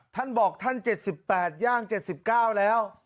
ท่านบอกท่าน๗๘ย่าง๗๙แล้ว